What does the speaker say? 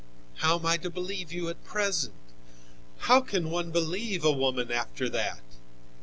How am I to believe you at present? How can one believe a woman after that?